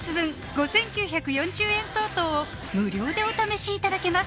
５９４０円相当を無料でお試しいただけます